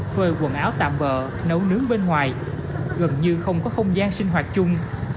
phơi quần áo tạm bỡ nấu nướng bên ngoài gần như không có không gian sinh hoạt chung